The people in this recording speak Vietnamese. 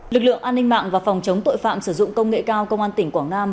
lực lượng an ninh mạng và phòng chống tội phạm sử dụng công nghệ cao công an tỉnh quảng nam